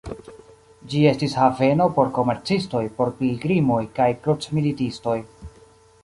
Ĝi estis haveno por komercistoj, por pilgrimoj kaj krucmilitistoj.